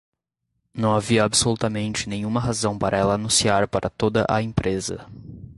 Não havia absolutamente nenhuma razão para ela anunciar para toda a empresa.